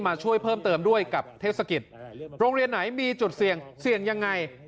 มาช่วยเพิ่มเติมด้วยกับเทศกิจโรงเรียนไหนมีจุดเสี่ยงเสี่ยงยังไง